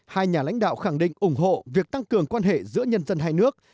hai nhà lãnh đạo khẳng định ủng hộ việc tăng cường quan hệ giữa nhân dân hai nước